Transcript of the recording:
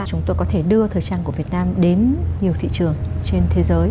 chúng tôi có thể đưa thời trang của việt nam đến nhiều thị trường trên thế giới